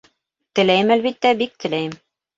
— Теләйем, әлбиттә, бик теләйем!